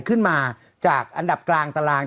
ขึ้นมาจากอันดับกลางตาราง